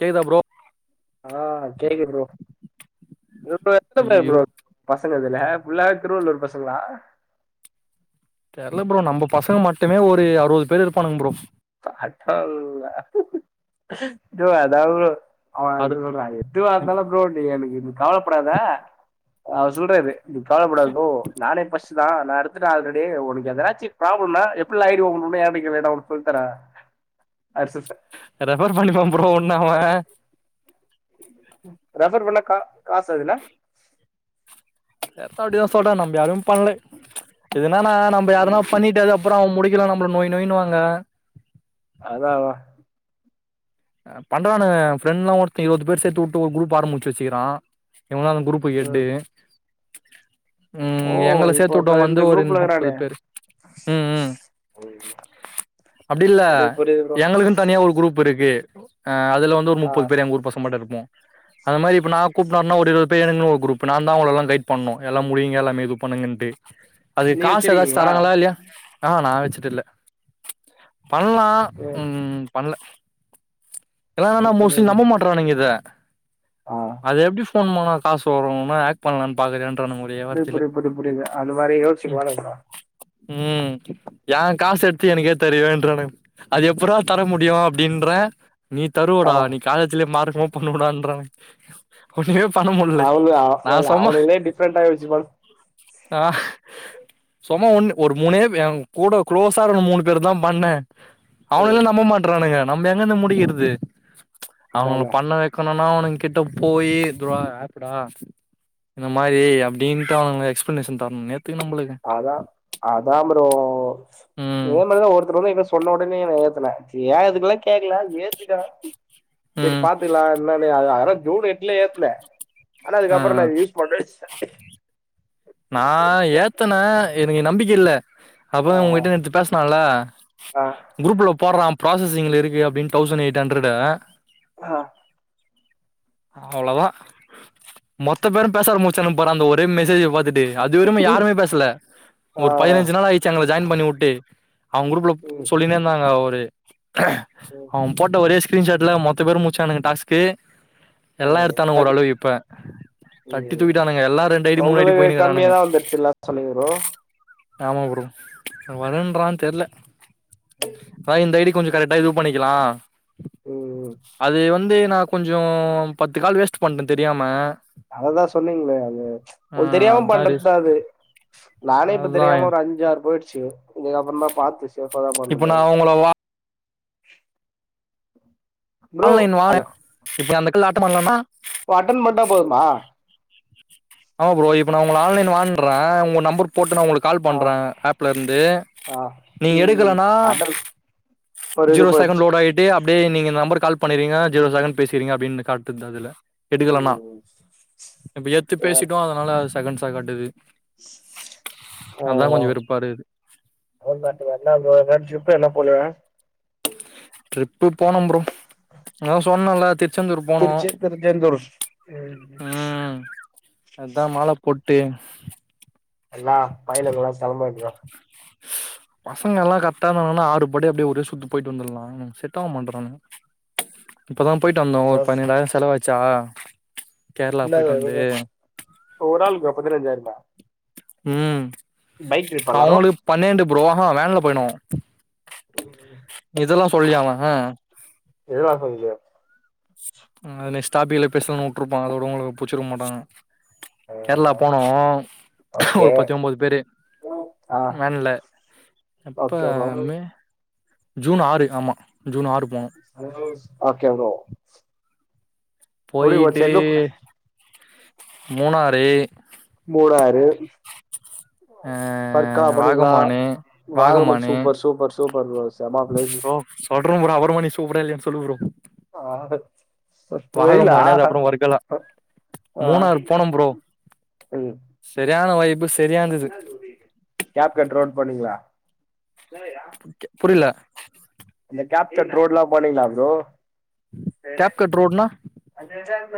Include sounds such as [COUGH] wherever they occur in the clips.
கேக்குதா ப்ரோ ஆ செரிங்க ப்ரோ இப்போ எத்தன [UNINTELLIGIBLE] ஐயோ ப்ரோ ஆவுது பசங்க இதுல்ல ஃபுல்லாவே திருவள்ளூர் பசங்ளா தெர்ல ப்ரோ நம்ம பசங்க மட்டுமே ஒரு அறுவது பேரு இருப்பானுங்க ப்ரோ கர்ட்டா அவுள்ங்க ப்ரோ அதா ப்ரோ அவ ஆறு து சொல்ற எதுவாந்தாலு ப்ரோ நீ எனக்கு இ கவலப்படாத அவரு சொல்றாரு நீ கவலபடாத ப்ரோ நானே ஃபர்ஸ் தா நா எடுத்துட்ட ஆல்ரெடி உனக்கு எதனாச்ச ப்ராப்ளம் னா எப்புள்ளா ஐடி ஓபன் பண்ணனோ ஏ கிட்ட கேளு நா ஓபன் க்காறா அர்சு சார் ரெஃபர் பண்ணிப்பா ப்ரோ அவ உண்ண ரெஃபர் பண்ணா கா காசா அதுல பெர்சா அப்டீதா சொல்றா நம்ம யாரும் பண்லே இதுனா நா நம்ம யருனா பண்ணிட்டு அப்றோ அவ முடிக் கீழ நம்பல நொய் நொயின்னு வாங்க அதா வா பண்றானுக ஃப்ரெண்ட்ல்லா ஒருத்த இருபது பேர் சேத்து வுட்டு ஒரு குரூப் ஆரம்மூச்சு வெச்சுக்கிறா இவுங்கலா அந்த குரூப் ப்புக்கு ம் ஹெட்டு ஓ ம் எங்கள இப்போ சேத்து இப்ப வுட்டவங்க வந்து இந்த ஒரு குரூப்ல நாப்பது இருக்கிறானே பேரு ம் ம் புரியுது அப்டி இல்ல புரியுது ப்ரோ எங்குளுக்குனு தனியா ஒரு குரூப் இருக்கு அ அதுல வந்து ஒரு ஆ முப்பது பேர் எங்க ஊர் பசங்மட்டு இருப்போ அந்த மாரி இப்போ நா கூப்ட் வர்ன்னா ஒரு இருவது பேருன்னு ஒரு குரூப்பு நா தா அவங்களெலா கைட் பண்ணோ எல்லா முடிங்க எல்லாமே இது பண்ணுங்கன்ட்டு அதுக்கு நீ காசு ஏதாச்சு வச்சிருக்கீங்களா தராங்ளா இல்லயா ஆ நா வெச்சுட்டு இல்ல பண்லா ம் பண்ல இதலல்லா நா மோஸ்ட்லி நம்ப மாட்றானுங்க இத ஆ அது எப்டி ஃபோன் பண்ணா காசு வருனு ஆக்ட் பண்லான்னு பாக்குறியான்றானுங்க ஒரே புரி வார்த்தையில புரி புரி புரியுது அது மாரி ம் யோசிச்சுக்குவானுங்கோ ம் ஏ காசு எத்து எனக்கே தருவியான்றானுங்க அது எப்புரா தர முடியு அப்டீன்ற நீ ஆ தருவடா நீ காலேஜ்லே மார்கமா பண்ணகூடாதுன்றாங்க ஒன்னுமே பண்ண முல்ல அவனு நா இல்ல சும்மா அவனுங்களே டிஃப்ரெண்டா யோசிப்பானு ஆ சும்மா ஒண்ணு ஒரு மூணே பே எ கூட குளோஸா இருக்குற மூணு பேரு தா பண்ணே ம் அவனுகல்லா நம்ப மாட்டறானுங்க நம்ம எங்கந்து முடிக்குறது அவனுங்கல அதான பண்ண வெ வெக்கனோனா அவனு கிட்ட போயி தோ ஆப்பு டா இந்த மாரி அப்டீன்ட்டு அவங்க எக்ஸ்ப்ளனேசன் தர்ணோ நேத்து நம்பள அதா அதா ப்ரோ ம் இனிமேல்தா ஒருத்தரு வந்து என்ட்ட சொன்ன ஒடனே நா ஏத்தன ஏ எதுக்குல்லா கேக்கல ஏத்திட்ட செரி ம் பாத்துக்குலா என்னானு அ வர ஜூனு எட்டுல ஏத்துனே ஆனா ஆ அதுக்கப்றோ ஆ நா யூஸ் படைஸ நா ஏத் தன எனக்கு நம்பிக்க இல்ல அப்ப ஆ உங்ககிட்ட நேத்து பேசுனால ஆ குரூப்ல போட்றா ப்ராசஸிங்ல இருக்கு அப்டின் தௌசண்ட் எயிட்ஹண்ட்ரட ஹ அவ்ளதா மொத்த பேரு பேச ஆரம்முச்சானுங்க பாரு அந்த ஒரே மெசேஜ பாத்துட் அது வரியுமே யாருமே பேசல ஆ ஒரு பதினஞ்சு நாள் ஆயிச்சு அங்க ஜாய்ன் பண்ணி உட்டு அவங்க குரூப்ல ம் சொல்லினே இருந்தாங்க ஒரு ம் அவ போட்ட ஒரே ஸ்கிரீன்ஷாட்ல மொத்த பேரு முச்சானுங்க டாஸ்க்கு எல்லா ம் எடுத்தாங்க கண்டிப் ஓரளவு இப்ப தட்டி தூக்கிட்டானுங்க எல்லா ரெண்டுஐடி மூணு ஐடி கம்மியா போயினுக்கிறானுங்க தா‌ வந்துருச்சுலா சொன்னிங்க ப்ரோ ஆமா ப்ரோ வரன்றா தெர்ல உம் ப இந்த ஐடி கொஞ்சோ கரெக்டா பண்ணிக்கலா ம் அது வந்து நா கொஞ்சோ பத்து கால் வேஸ்ட் பண்ட தெரியாம அததா சொன்னிங்ளே அது ஆ உங்களுக்கு தெரியாம அதா ரீஸ் பண்றத்தா அது நானே இப்ப அதா தெரியாம ஒரு அஞ்சு ஆறு போயிடுச்சு இதுக் அப்புற தா பாத்து சேஃப்பா தா இப்ப பண்ணுமா நா உங்கள வா ப்ரோ ஆன்லைன் வான அது இப்ப அந்தக்குள்ள ஆட்டம் பண்லான்னா ஓ அட்டென் பண்டா போதுமா ஆமா ப்ரோ இப்ப நா உங்க ஆன்லைன் வான்ற உங்க நம்பர் போட்டு நா உங்களுக்கு கால் ஆ பண்ற ஆப்ல இருந்து ஆ நீங்க ம் எடுக்கலனா அட்டன் ஒரு இது ஜீரோ செகண்ட் போயிடுச்சு லோட் ஆயிட்டு அப் அப்டே நீங்க இந்த நம்பர் கால் பண்ணறீங்க ஜீரோசெகண் பேசுறீங்க அப்டின்னு காட்டுது அதுல எடுக்கலனா ம் இப்ப எத் த்து சேர் பேசிட்டோ அதனால அது செகண்ட்ஸா காட்டுது ஆ அதா ஆ கொஞ்ச வெறுப்பாற்குது என்ன பண்றது [UNINTELLIGIBLE] ஷிஃப்ட் எல்லா போலயா ட்ரிப்பு போன ப்ரோ நா தா சொன்ன இல்ல திரி ச்செந்தூர் போனோ திருச்சி திருச்செந்தூர் ம் ம் அதா மால போட்டு எல்லா பயலுகளு செலம்போ எடுத்துட்டு [UNINTELLIGIBLE] [INAUDIBLE] பசங்க எல்லா கரக்டா இருந்தாங்கன்னா ஆறுபடி அப்டியே ஒரே சுத்து போய்ட்டு வந்தர்லா செட் ஆவ மாட்றானுங்க இப்பதா போயிட்டு வந்தோ ஒரு பதினேழாயிரோ செலவாச்சா கேரளா இல்ல போயிட்டு வந்து எதுவு ஒரு ஆளுக்கா பதினஞ்சாயிருமா ம் ட்ரிப்பா எல்லாரு அவுங்களுக்கு பன்னெண்டு ப்ரோ அஹா வேன்ல போய்னோ இது எல்லா சொல்லியா அவ ஏதுலா சொல்லியா ம் அதுன ஸ்டாபிங்ல்ல பேசல ஊட்டுறுப்பா அதோட உங்களுக்கு புட்ச்சுருக் மாட்டாங் கேரளா ஆ போனோ ஓகே ஒரு பத்து ஒம்போது பேரு ஆ வேன்ல எப்ப ஓகே ப்ரோ மே ஜீன் ஆறு ஆமா ஜீன் ஆறு போனோ ஓகே ப்ரோ போயிட்டு [UNINTELLIGIBLE] மூணாறு மூணாறு ஆ பர்க்கா பண்ணிங்ளா வாகமானு வாகமன் வாகமானு சூப்பர் சூப்பர் சூப்பர் ப்ரோ செம்ம பிளேஸு சொல்ற ப்ரோ அப்பறமா நீ சூப்பரா இல்லையான்னு சொல்லு ப்ரோ ஆடத் வாகமானு அது அப்பறோ வருக்களா ஆ மூணாறு போன ப்ரோ ம் செரியான வய்பு செரியாந்துது கேப்டன் ட்ரோன் பண்ணீங்ளா புரில அந்த கேப்டட் ரோட்ல்லா போனீங்ளா ப்ரோ கேப் கட் ரோடுனா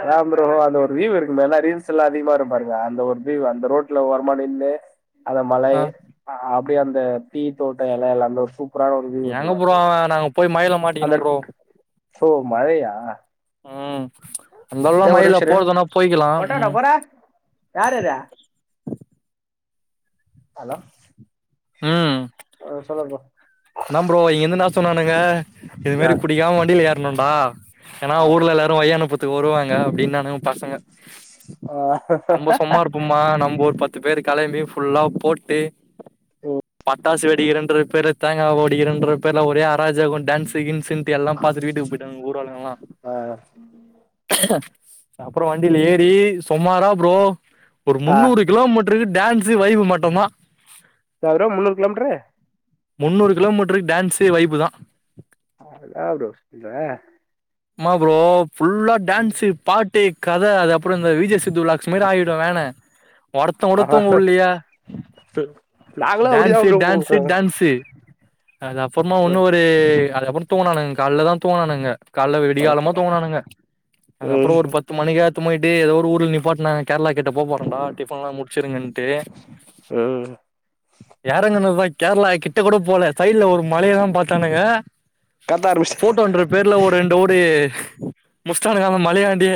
அதா ப்ரோ அந்த ஒரு வியூ இருக்குமே எல்லா ரீல்ஸ் எல்லா அதிகமா வரு பாருங்க அந்த ஒரு வியூ அந்த ரோட் ட்ல ஓரமா நின்னு அந்த மலை ஆ அப்டியே அந்த டீ தோட்ட எல எல்லாமே ஒரு சூப் சூப்ரான ஒரு வீயு ஒன்னு எங்க ப்ரோ பாத்தே அவன் நாங்க போய் மழைல மாட்டிக்கினோ அந்த ப்ரோ மழையா ம் அந்தளவுளா ஏ மழ ஒரு இல்ல நிமிஷ இரு போறதுன்னா போயிக்கலா கொட்டாடா ம் போற யார் அது ஹலோ ம் அ சொல்லு ப்ரோ என்னா ப்ரோ இங்க இந்து என்னா சொன்னானுங்க இது மாரி புடிக்காம வண்டியில ஏறணுடா ஏனா ஆ ஊர்ல எல்லாரு வழி அனுப்பு த்து வருவாங்க அப்டின்னானுங்பசங்க ஆ நம்ப சும்மா இருப்போமா நம்ப ஒரு பத் பத்து பேர் கெளம்பி ஃபுல்லா போட்டு பட்டாசு வெடிக்கிறன்ற பேருல தேங்கா ஓடிகின்ற பேர்ல ஒரே அராஜகோ டான்ஸு கின்ஸுட்டு எல்லா பாத்துட்டு வீட்டு போயிட்டாங்க ஊர் ஆளுங்கல்லா அப்பறோ வண்டியில ஏறி சும்மாரா ப்ரோ ஒரு ஆ ஆ முன்னூறு கிலோமீட்ருக்கு டான்ஸ்ஸு வைபு மட்டுதா என்னா ப்ரோ முண்ணூரு கிலோமீட்ர்ரூ முந்நூறு கிலோமீட்டருக்கு டான்ஸ் வைப்பு தா ஆ ப்ரோ இந்த ஆமா ப்ரோ ஃபுல்லா டான்ஸ்ஸு பாட்டு கத அது அப்புறோ இந்த விஜே சித்து விலாக்ஸ் மாரி ஆகிடு வேணு ஒருத்தன் கூட தூங்க உல்லையே நாங்களும் அப்படிதான் டான்ஸ்ஸு ப்ரோ டான்ஸ்ஸு போவோம் டான்ஸு அது அப்புறமா ஒண்ணு ம் ஒரு அதுகப்புறோ தூங்குணானுங்க கால்ல தா தூங்கனானுங்க கால்ல விடிகாலமா ஓகே தூங்கனானுங்க அதுகப்றோ ம் ஒரு பத்து மணிக்கா எத்துன் போயிட்டு ஏதோ ஒரு ஊர்ல நிப்பாட்னாங் கேரளா கிட்ட போ போறோன்டா டிஃபன்ல்லா முடிச்சிருங்கன்ட்டு ம் ஏறங்கனுதா கேரளா கிட் ட கூட போல சைடுல ஒரு மலையதா பாத்தானுங்க கத்த ஆரம்பிச்சிட்டேன் ஃபோட்டோன்ற பேருல ஒரு ரெண் டோடு முஷ்டானுங்க அந்த மலையான்டே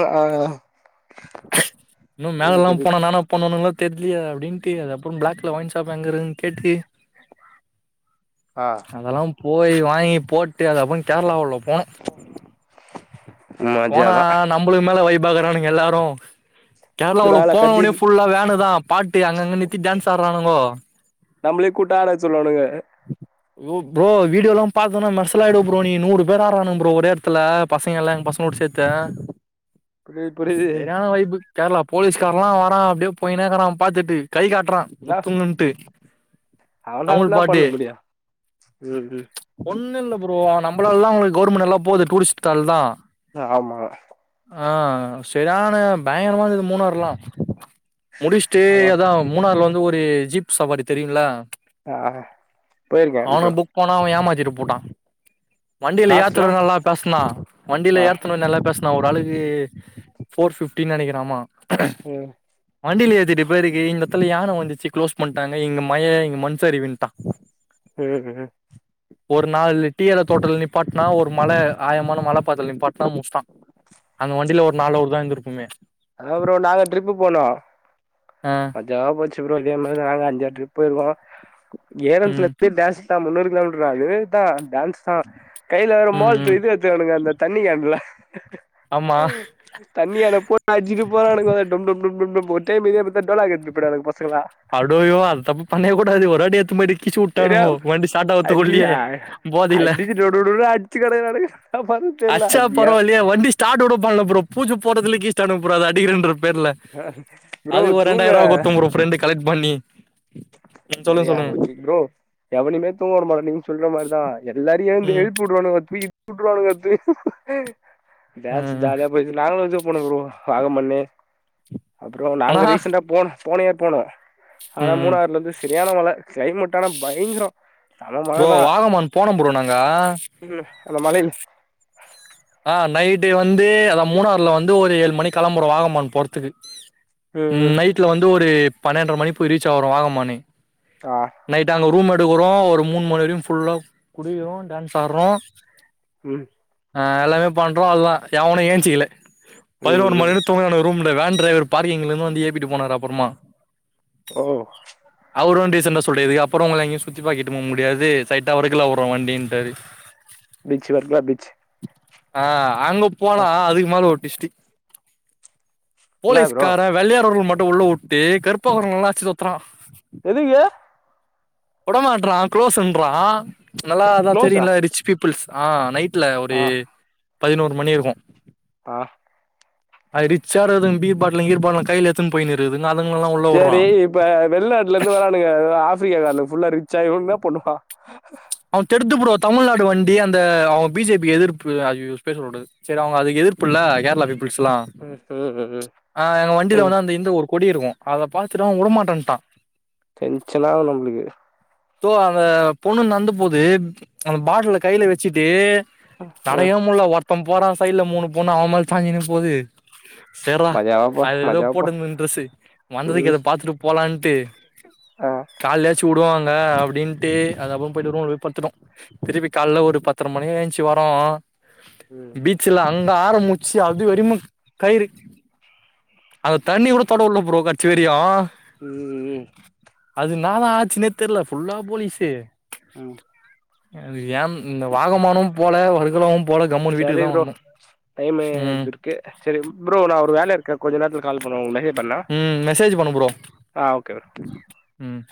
ஆ ஆ இன்னு புரியுது மேலல்லா போனா புரியுது என்னானா பன்னுவாங்ளோனு தெரியலயே அப்டின்ட்டு அது அப்புறோ பிளாக்ல ஒயின்ஷாப் எங்கருன் கேட்டி ஆ அதெல்லா போய் வாங்கி போட்டு அதுகப்புறோ கேரளா உள்ள போனோ மஜா போனா தான் நம்பளுக்கு மேல வைபா இருக்குறானுங்க எல்லாரு கேரளா உள்ள வேலை கத்தி போனொன்னே ஃபுல்லா வேனுதா பாட்டு அங்கங்க நித்தி டான்ஸ் ஆடுறானுங்கோ நம்மளே கூட்டு ஆட சொல்லுவாணுங்க ஓ ப்ரோ வீடியோல்லாம் பார்த்தன்னா மெர்சலா ஆய்டுவ ப்ரோ நீ நூறு பேர் ஆரானுங்க ப்ரோ ஒரே எடத்துல பசங்க எல்ல எங்க பசங்களா சேத் த்த புரியுது புரியுது செரியான வைபு கேரள போலீஸ்காரன்லா வரான் அப்டியே போய்னேக்கறான் பார்த்துட்டு கை காட்டுறான் இல்லை குத்துங்கன்ட்டு தமிழ் பாட்டு இது எப்டி ஒண்ணு இல்ல ப்ரோ நம்ளாலல்லா தான் அவுங்களுக்கு கவுவர்மெண்ட் எல்லாம் போகுது டூரிஸ்ட் கால் தா ஆமா ஆ சரியான பயங்கரமா இருந்தது மூணார்லாம் முடிச்சுட்டு அதான் அதா மூணாருல வந்து ஒரு ஜீப் சவாரி தெரியும்ல ஆ போயிருக்கேன் அவன ப்ரோ புக் பண்ண அவன் ஏமாதிட்டுபுட்டா வண்டியில ஏத்தனவ காசுலாம் நல்லா பேஸ்னா வண்டியில ஆ ஏத்தனவ நல்லா பேஸ் னா ஒரு ஆளுக்கு ஃபோர் பிஃப்டின்னு நெனைக்கிற ஆமா ம் வண்டியில ஏத்திட்டு இப்பேருக்கு இந்த எடத்துல யான வந்துச்சு குளோஸ் பண்ணிட்டாங்க இங்க மழ மண்சரிவு இன்ட்டா ஏது ஒரு நாலு டீ எல தோட்டல நிப்பாட்னா ஒரு மழ ஆயமான மழ பாதைல நிப்பாட்னா முஸ்டா அந்த வண்டியில ஒரு நாளு உக்காந்துருப்போமே அதா ப்ரோ நாங்க ட்ரிப் போன ஆ மஜாவா போச்சு ப்ரோ இதே மாரிதா நாங்க அஞ்சாறு ட்ரிப் போயிருக்கோ ஏறத்துல ம் இருந்து டான்ஸ் ந்தா முன்னூறு கிலோமீட்டரா ஏறுத்தா டான்ஸ்தா கைல வேற ம் மோல ம் இது எத்துணுங்க அந்த தண்ணி கேன்ல ஆமா தண்ணி கேன போட்னு அச்சினு போறானுங்கோ டும் டும் டும் டும் ஒட்டே மேரியே இந்த டோலாக்கு எத்துனு போய்ட்டாங்க பசங்களா அடோயோ அது தப்ப பண்ணவே கூடாது ஒருவாட்டி எத்துன்னு போய்ட்டு கிழிச்சி உட்டாணுவோ தெரியாம வண்டி ஸ்டாட் ஆவதுகுள்ளயே போதைல டு டு டு டுனு அட்ச்சினு கெடக்குறாங்க என்ன பண் அச்சா பரவால இல்லையே வண்டி ஸ்டாட் கூட பண்ல ப்ரோ பூஜ போட்றதுலே கிழிஸ்டானுங்க ப்ரோ அடிக்கறன்ற பேர்ல ப்ரோ அது ஒரு ரெண்டாயிருவா தூங்க குத்த ப்ரோ ஃப்ரெண்டு கலெக்ட் பண்ணி ம், சொல்லுங்க செரியா சொல்லுங்க போச்சி ப்ரோ எவனயுமே தூங்க உட மாட்டே நீங் சொல்ற மாரிதா எல்லாரையு எழுந்து ம் எழுப் உடுவானுவ தூங் ழுப்பிட்வானுவ தூக் டான்ஸ் ம். ஜாலியா போய்ட்டு நாங்களும் என்ஜாய் பண்னோ ப்ரோ வாங்க மண்ணு அப்றோ அண்ணா நாங்க ரீசெண்டா போனோ போன இயர் போனோ ஆனா ம் மூணாலருந்து சரியான மழ க்ளைமெட் ஆனா பயங்கரோ செம ப்ரோ மழதா வாகமான் போன ப்ரோ நாங்க ம் அந்த மழையில ஆ நைட்டு வந்து அதா மூணாறுல வந்து ஒரு ஏழு மணி கெளம்புறோ வாகமான் போற்துக்கு ம் ம் நைட்ல வந்து ஒரு பன்னென்ர மணி போய் ரீச் ஆவுறோ வாகமான் ஆ நைட் அங்க ரூம் எடுக்றோ ஒரு மூணு மணி வரையு ஃபுல்லா குடிக்றோ டான்ஸ் ஆட்றோ ம் அ எல்லாமே பண்றோல்ல எவனு ஏஞ்சிக்கல பதினோரு ம் மணி வர தூங்குனாங்க வேன் டிரைவர் பார்கிங்லருந்து வந்து ஏழுப்பிட்டு போனார் அப்றமா ஓ அவரு டிசெண்டா சொல்றாரு இதுக்ப்றோ ஒங்கள எங்கய சுத்தி பாக்க இட்டு போ முடியாது ஸ்ரைட்டா வடக்குல உட்றோ வண்டி இன்டாரு பீச் வர்கலா பீச் அ அங்க போனா அதுக்கு மேல ஒரு ட்விஸ்ட்டு என்னா ப்ரோ போலீஸ்கார வெள்ளயாருக்கவங்ள மட்டு உள்ள உட்டு கருப்பாருக்கவங்லல்லா அட்ச்சு தொறத்துறா எதுக்கு உடமாட்றா குளோஸ்ஸூன்றா நல்லா அதா க்ளோஸா தெரியுல ரிச் பீப்புள்ஸ் ஆ நைட் ல ஒரு ஆ பதினோர் மணி இருக்கு ஆ அது ரிச்சா இருக்குது பீர் பாட்லு கீர் பாட்லு கைல எட் துனு போய்னுருக்குதுங்க அதுங்லல்லா உள்ள உட்றா [UNINTELLIGIBLE] ஆஃப்ரிக்கா காரனுங்க ஃபுல்லா ரிச்சா இவுங்ளுதா பொண்ணுப்பா அவ தெடுத்து புடுவா தமிழ்நாடு வண்டி அந்த அவ பீ ஜே பி எதிர்ப்பு ஐய்யய்யோ பேர் சொல்ல கூடாது சரி அவுங்க அதுக்கு எதிர்ப்பு இல்ல கேரளா பீப்புள்ஸ்ல்லா ம் ம் அ எங்க வண்டியில ம் வந்து அந்த இந்த ஒரு கொடி இருக்கு அது பாத்துட்டு அவ வுடமாட்டேன்ட்டா டென்ஷன ஆவு நம்ளுக்கு அந்த பொண்ணு நடந்த போது அந்த பாட்ல கையில வச்சிட்டே ம் நடக்கவே முடில ஒருத்த போறா சைட்ல மூணு பொண்ணு அவ மேல சாஞ்சினு போது சேர்ரா மஜாவாப்பா அது ஏதோ மஜாவாப்பா போட்டுந்துது ட்ரஸ்ஸூ வந்ததுக்கு ம் அத பாத்துட்டு போலான்ட்டு ஆ கால்லாயாச்சு விடுவாங்க அப்டின்ட்டு அதுகப்றோ பொய்ட்டு ரூம்ல போய் பட்த்துட்டோ திருப்பி கால்ல ஒரு பத்தர மணிக்கு எழுந்துருச்சி வரோ ம் பீச்சுலா அங்க ஆரம்பிச்சு அது வரையுமு கயிறு அந்த தண்ணி கூட தொட உட்ல ப்ரோ கட்ஸ்ஸி வரயு ம் அது என்னாதா ஆச்சுன்னே தெரில ஃபுல்லா போலீஸு ம் எனக்கு ஏ இந்த வாகமானு போல வர்கலாவு போல கம்முன்னு வீட்டுக்கு தா வந்தோ ம் ஓகே சேரி ப்ரோ நா ஒரு வேலயா இருக்கே கொஞ்ச நேரத்துல கால் பண்ணவா உங்ளுக்கு ம் மெசேஜ் பண்ணு ப்றோ ஆ ஓகே ப்ரோ ம்